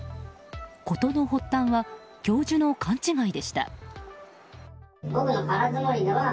事の発端は、教授の勘違いでした。